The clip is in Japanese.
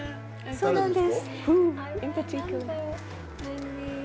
そうなんです。